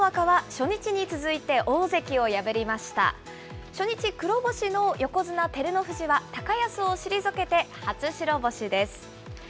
初日黒星の横綱・照ノ富士は、高安を退けて、初白星です。